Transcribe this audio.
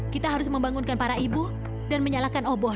kita harus membangunkan para ibu dan menyalakan oboh